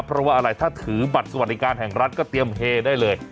เพราะว่าอะไรถ้าถือบัตรสวัสดิการแห่งรัฐก็เตรียมเฮได้เลย